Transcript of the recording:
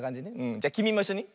じゃきみもいっしょに。